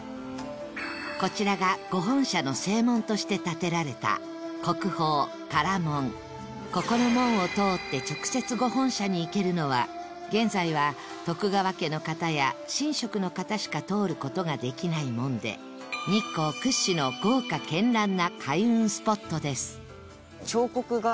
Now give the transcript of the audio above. こちらが御本社の正門として建てられたここの門を通って直接御本社に行けるのは現在は徳川家の方や神職の方しか通る事ができない門で日光屈指のえーっ！